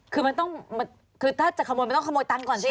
คือมันต้องคือถ้าจะขโมยมันต้องขโมยตังค์ก่อนสิ